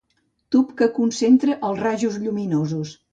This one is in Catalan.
Tub que concentra els rajos lluminosos.